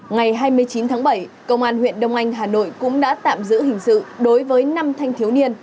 ngày hai mươi chín tháng bảy công an huyện đông anh hà nội cũng đã tạm giữ hình sự đối với năm thanh thiếu niên